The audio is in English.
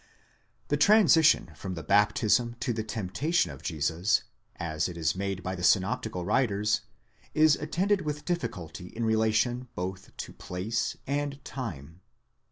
The transition from the baptism to the temptation of Jesus, as it is made by the synoptical writers, is attended with difficulty in relation both to place and time.